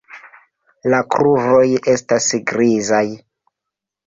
La kruroj estas grizaj.